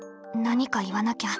何か言わなきゃ。